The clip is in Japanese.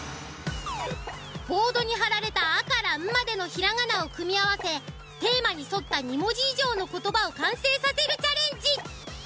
ボードに張られた「あ」から「ん」までのひらがなを組み合わせテーマに沿った２文字以上の言葉を完成させるチャレンジ。